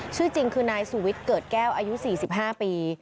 ชื่อจริงคือนายสุวิทย์เกิดแก้วอายุ๔๕ปี